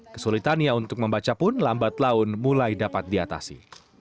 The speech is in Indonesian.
kesulitannya untuk membaca pun lambat laun mulai dapat diatasi